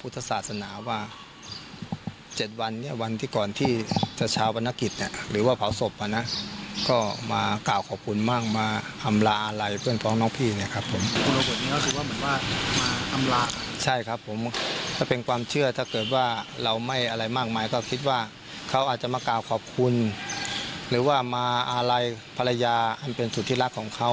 ภรรยาให้เป็นสุธิรักของเขา